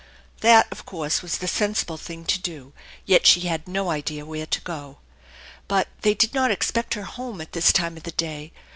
That, of course, was the sensible thing to do; yet she had no idea where to go. Eut they did not expect her home at this time of day.